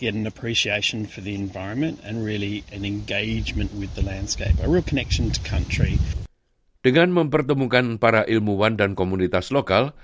dengan mempertemukan para ilmuwan dan komunitas lokal